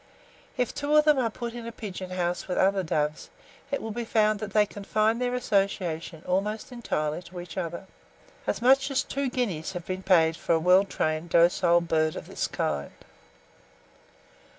If two of them are put in a pigeon house with other doves, it will be found that they confine their association almost entirely to each other. As much as two guineas have been paid for a well trained docile bird of this kind.